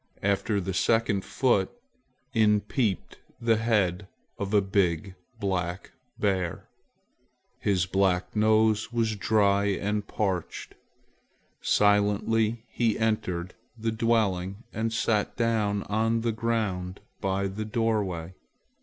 After the second foot, in peeped the head of a big black bear! His black nose was dry and parched. Silently he entered the dwelling and sat down on the ground by the doorway.